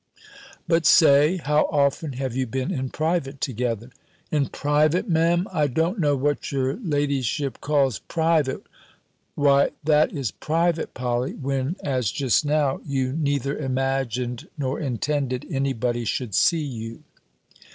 But say, how often have you been in private together?" "In private, Me'm! I don't know what your ladyship calls private!" "Why that is private, Polly, when, as just now, you neither imagined nor intended any body should see you."